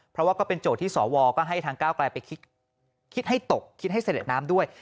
เพราะว่าก็เป็นโจทย์ที่สวก็ให้ทางก้าวกลายไปคิดให้ตกคิดให้เสร็จน้ำด้วย